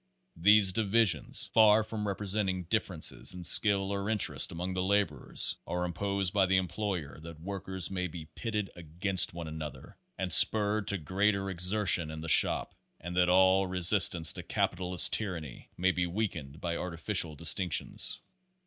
These divisions, far from represent ing differences in skill or interests among the laborers, are imposed by the employer that workers may be pitted against one another and spurred to greater exer tion in the shop, and that all resistance to capitalist tyranny may be weakened by artificial distinctions.